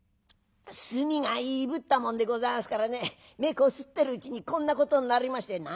「炭がいぶったもんでございますからね目こすってるうちにこんなことになりまして」。